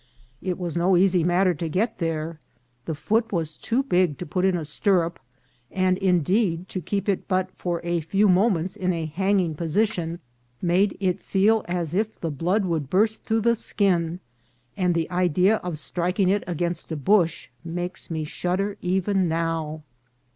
It was no easy matter to get there. The foot was too big to put in a stirrup, and, indeed, to keep it but for a few moments in a hanging position made it feel as if the blood would burst through the skin, and the idea of striking it against a bush makes me shudder even now.